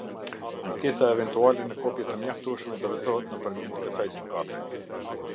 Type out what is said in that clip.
Ankesa eventuale në kopje të mjaftueshme dorëzohet nëpër mjet kësaj gjykate.